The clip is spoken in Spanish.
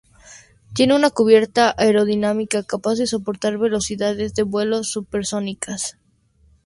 Tiene una cubierta aerodinámica capaz de soportar velocidades de vuelo supersónicas.